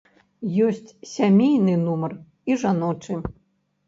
Ёсць сямейны нумар і жаночы.